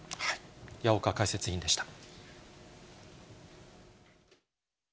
矢岡解説委員でした。